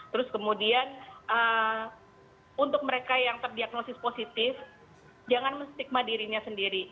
terus kemudian untuk mereka yang terdiagnosis positif jangan menstigma dirinya sendiri